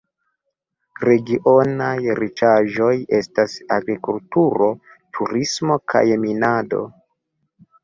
Regionaj riĉaĵoj estas agrikulturo, turismo kaj minado.